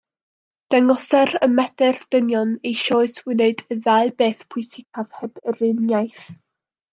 Dangoser y medr dynion eisoes wneud y ddau beth pwysicaf heb yr un iaith.